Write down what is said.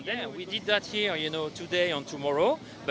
dan kita melakukan itu hari ini dan besok